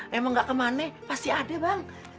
emang gak kemana pasti ada bang